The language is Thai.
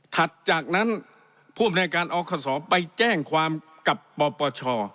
ถัดจากนั้นผู้อำนวยการอคศไปแจ้งความกับปปช